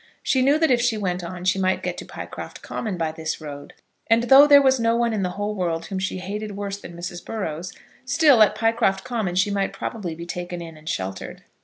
She knew that if she went on she might get to Pycroft Common by this road; and though there was no one in the whole world whom she hated worse than Mrs. Burrows, still at Pycroft Common she might probably be taken in and sheltered.